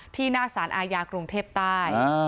หน้าสารอาญากรุงเทพใต้